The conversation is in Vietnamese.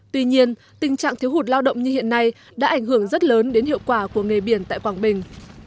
tuy nhiên tình trạng thiếu hụt lao động như hiện nay đã ảnh hưởng rất lớn đến hiệu quả của nghề biển tại quảng bình